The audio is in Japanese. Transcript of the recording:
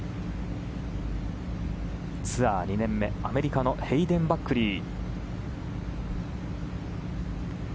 ツアー２年目、アメリカのヘイデン・バックリー。